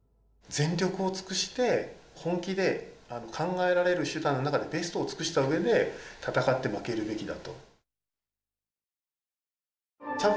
全力を尽くして本気で考えられる手段の中でベストを尽くしたうえで戦って負けるべきだと。